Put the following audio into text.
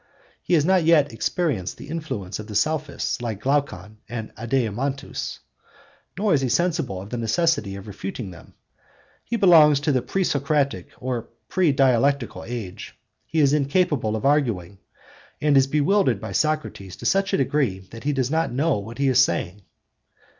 He has not yet experienced the influence of the Sophists like Glaucon and Adeimantus, nor is he sensible of the necessity of refuting them; he belongs to the pre Socratic or pre dialectical age. He is incapable of arguing, and is bewildered by Socrates to such a degree that he does not know what he is saying.